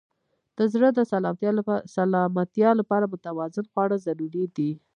د زړه د سلامتیا لپاره متوازن خواړه ضروري دي.